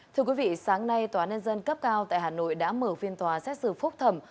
thưa quý vị sáng nay tòa nhân dân cấp cao tại hà nội đã mở phiên tòa xét xử phúc thẩm